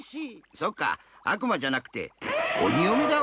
そっかあくまじゃなくておによめだわ。